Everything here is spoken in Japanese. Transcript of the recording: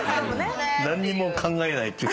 何にも考えないっていう。